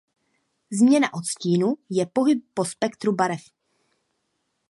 Změna odstínu je pohyb po spektru barev.